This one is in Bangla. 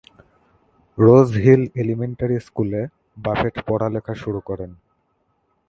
রোজ হিল এলিমেন্টারি স্কুলে বাফেট পড়ালেখা শুরু করেন।